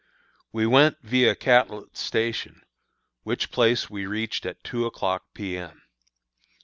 We went viâ Catlett's Station, which place we reached at two o'clock P. M.